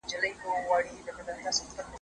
زه اوږده وخت پاکوالي ساتم وم،